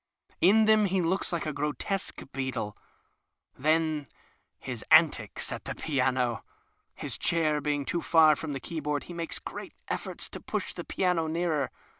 In them he looks like a grotesque beetle. Then his antics at the piano ! His chair being too far from the keyboard he makes great efforts to push the piano nearer.